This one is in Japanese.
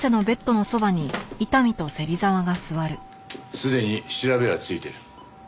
すでに調べはついてる。